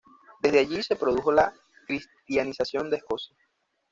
Desde allí, se produjo la cristianización de Escocia.